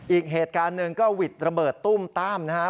อีกเกิดการนึงก็วิทย์ระเบิดตุ้มตามนะครับ